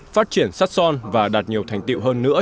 phát triển sắt son và đạt nhiều thành tiệu hơn nữa